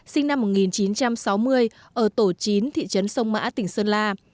sinh năm một nghìn chín trăm sáu mươi ở tổ chín thị trấn sông mã tỉnh sơn la